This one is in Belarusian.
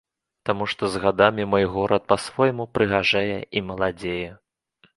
Таму што з гадамі мой горад па-свойму прыгажэе і маладзее.